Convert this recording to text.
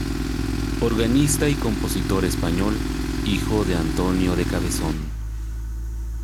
Organista y compositor español, hijo de Antonio de Cabezón.